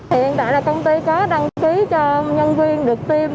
hiện tại là công ty có đăng ký cho nhân viên được tiêm